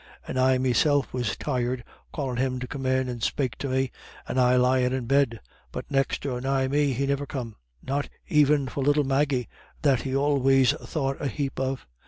And I meself was tired callin' him to come in and spake to me, and I lyin' in bed, but next or nigh me he niver come, not even for little Maggie that he always thought a hape of.